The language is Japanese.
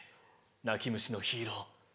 泣き虫のヒーロー」。